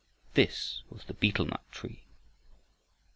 This was the betel nut tree.